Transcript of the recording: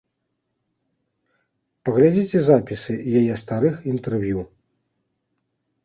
Паглядзіце запісы яе старых інтэрв'ю.